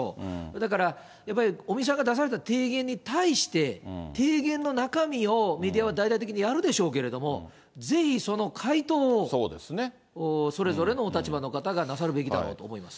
だからやっぱり尾身さんが出された提言に対して、提言の中身をメディアは大々的にやるでしょうけれども、ぜひ、その回答をそれぞれのお立場の方がなさるべきだろうと思います。